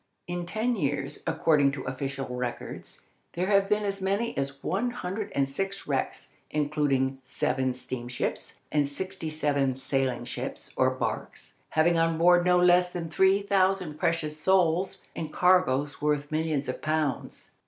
In ten years, according to official records, there have been as many as one hundred and six wrecks, including seven steamships and sixty seven sailing ships or barques, having on board no less than three thousand precious souls, and cargoes worth millions of pounds.